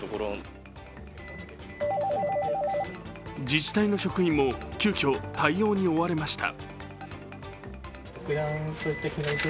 自治体の職員も急きょ対応に追われました。